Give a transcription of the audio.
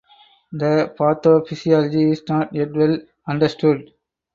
The pathophysiology is not yet well understood.